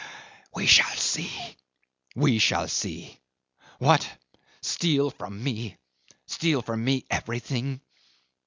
We shall see! We shall see! What! Steal from me! Steal from me everything!